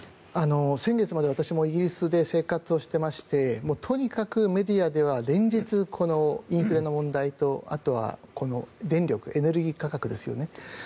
先月まで私もイギリスで生活をしていましてとにかくメディアでは連日、このインフレの問題とあとは電力、エネルギー価格ですよね。